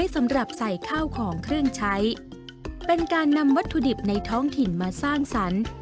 สำหรับใส่ข้าวของเครื่องใช้เป็นการนำวัตถุดิบในท้องถิ่นมาสร้างสรรค์